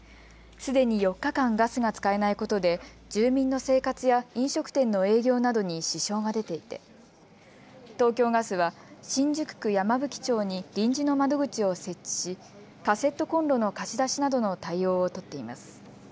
すでに４日間、ガスが使えないことで住民の生活や飲食店の営業などに支障が出ていて東京ガスは、新宿区山吹町に臨時の窓口を設置しカセットコンロの貸し出しなどの対応を取っています。